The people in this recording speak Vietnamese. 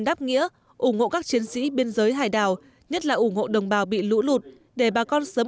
đáp nghĩa ủng hộ các chiến sĩ biên giới hải đảo nhất là ủng hộ đồng bào bị lũ lụt để bà con sớm